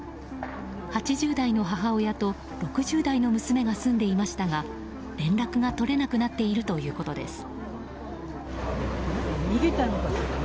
８０代の母親と６０代の娘が住んでいましたが連絡が取れなくなっているということです。